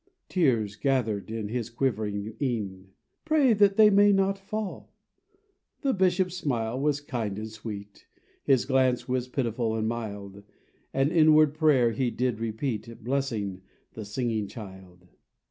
— Tears gathered in his quiv'ring een — "Pray that they may not fall I" 175 The Bishop's smile was kind and sweet, His glance was pitiful and mild ; An inward prayer he did repeat, Blessing the singing child.